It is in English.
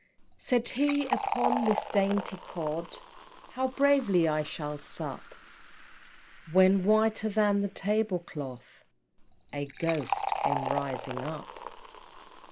II. Said he, "Upon this dainty cod How bravely I shall sup" When, whiter than the tablecloth, A GHOST came rising up!